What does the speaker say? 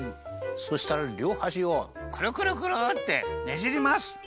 そうしたらりょうはしをくるくるくるってねじります。